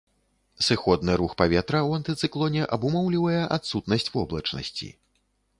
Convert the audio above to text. Сыходны рух паветра ў антыцыклоне абумоўлівае адсутнасць воблачнасці.